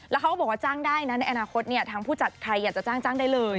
แล้วเขาก็บอกว่าจ้างได้นะในอนาคตทางผู้จัดใครอยากจะจ้างได้เลย